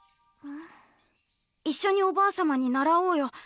ん一緒におばあ様に習おうよ。